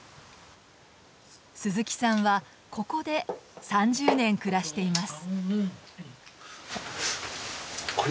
鈴木さんはここで３０年暮らしています。